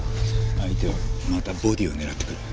相手はまたボディーを狙ってくる。